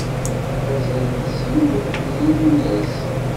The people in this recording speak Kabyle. Azal n sin n yimulas.